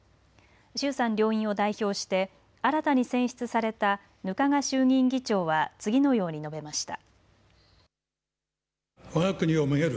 衆参両院を代表して新たに選出された額賀衆議院議長は次のように述べました。